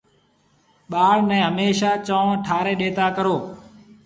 ٻاݪ نَي هميشا چونه ٺاريَ ڏيتا ڪرون۔